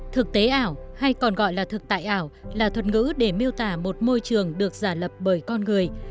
thực tế ảo hay còn gọi là thực tại ảo là thuật ngữ để miêu tả một môi trường được giả lập bởi con người